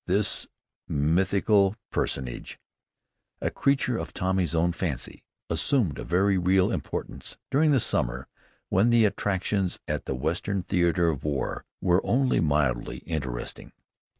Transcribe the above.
This mythical personage, a creature of Tommy's own fancy, assumed a very real importance during the summer when the attractions at the Western Theater of War were only mildly interesting.